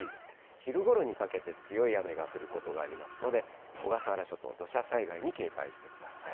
昼ごろにかけて強い雨が降ることがありますので、小笠原諸島、土砂災害に警戒してください。